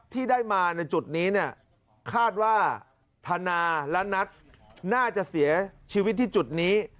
ที่ได้มาในจุดนี้เนี่ยคาดว่าธนาและนัทน่าจะเสียชีวิตที่จุดนี้